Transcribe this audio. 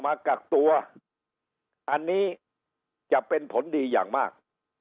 มากักตัวอันนี้จะเป็นผลดีอย่างมาก